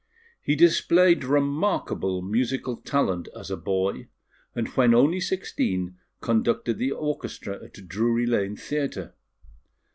He displayed remarkable musical talent as a boy; and when only sixteen conducted the orchestra at Drury Lane Theatre.